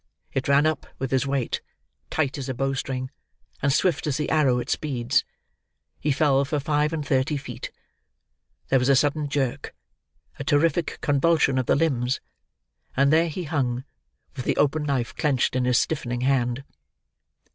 It ran up with his weight, tight as a bow string, and swift as the arrow it speeds. He fell for five and thirty feet. There was a sudden jerk, a terrific convulsion of the limbs; and there he hung, with the open knife clenched in his stiffening hand.